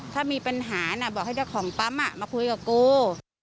ถ้ามีปัญหาบอกให้เจ้าของปั๊มมาคุยกับกู